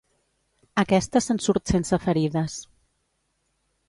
Aquesta se'n surt sense ferides.